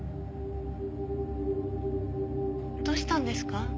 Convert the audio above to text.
どうしたんですか？